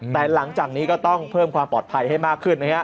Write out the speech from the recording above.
แต่หลังจากนี้ก็เพิ่มความปลอดภัยให้ให้มากขึ้น